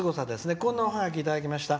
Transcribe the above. こんなおハガキいただきました。